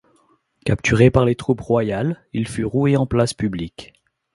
Capturé par les troupes royales, il fut roué en place publique.